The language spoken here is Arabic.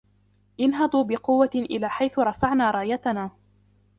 انهضوا بقوة إلى حيث رفعنا رايتنا